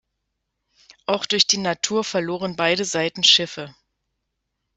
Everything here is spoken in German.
Auch durch die Natur verloren beide Seiten Schiffe.